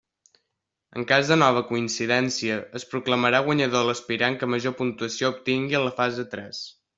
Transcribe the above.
En cas de nova coincidència, es proclamarà guanyador l'aspirant que major puntuació obtingui en la fase tres.